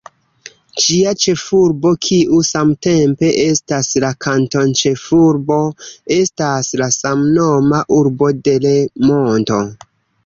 Ĝia ĉefurbo, kiu samtempe estas la kantonĉefurbo, estas la samnoma urbo Delemonto.